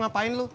mau ngapain lu